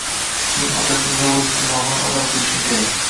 — Men otasini yolg‘iz tirnog‘ini odam qilishim kerak...